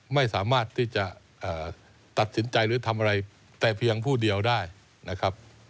ไม่สามารถที่จะตัดสินใจหรือทำอะไรแต่เพียงผู้เดียวได้นะครับ